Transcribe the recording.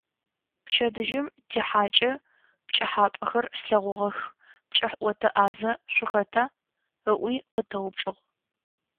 Пчэдыжьым тихьакӏэ, - «Пкӏыхьапӏэхэр слъэгъугъэх, пкӏыхь ӏотэ ӏазэ шъухэта?», - ыӏуи къытэупчӏыгъ.